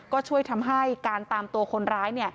ก็ช่วยทำให้การตามตัวคนร้าย